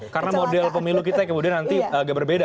karena model pemilu kita nanti agak berbeda